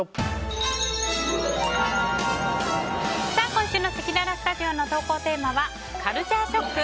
今週のせきららスタジオの投稿テーマはカルチャーショック！？